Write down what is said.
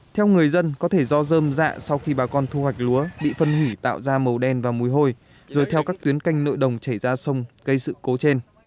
theo người dân có thể do dơm dạ sau khi bà con thu hoạch lúa bị phân hủy tạo ra màu đen và mùi hôi rồi theo các tuyến canh nội đồng chảy ra sông gây sự cố trên